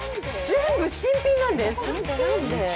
全部新品なんです。